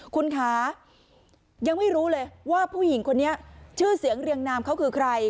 คุณคะยังไม่รู้เลยว่าผู้หญิงคนนี้ชื่อเสียงเรียงนามเขาคือใคร